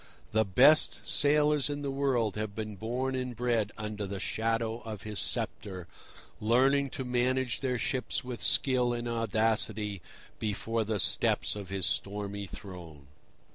The best sailors in the world have been born and bred under the shadow of his sceptre, learning to manage their ships with skill and audacity before the steps of his stormy throne.